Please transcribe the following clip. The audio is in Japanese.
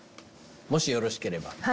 もしよろしければ。